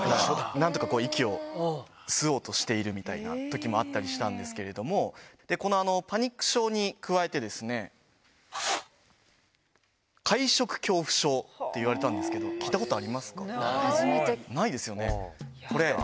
なんとか息を吸おうとしているみたいなときもあったりしたんですけども、このパニック症に加えてですね、会食恐怖症って言われたんですけど、聞いたことありますか。